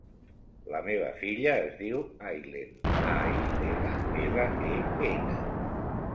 La meva filla es diu Aylen: a, i grega, ela, e, ena.